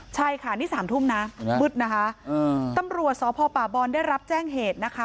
ใช่ค่ะนี่๓ทุ่มนะมืดนะคะตำรวจสพป่าบอลได้รับแจ้งเหตุนะคะ